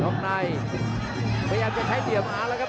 กล้องชิงดาวน์ก็พยายามจะใช้เหยียบมาแล้วครับ